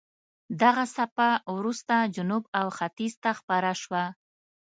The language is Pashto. دغه څپه وروسته جنوب او ختیځ ته خپره شوه.